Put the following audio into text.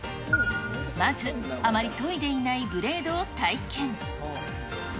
まずあまり研いでいないブレードを体験。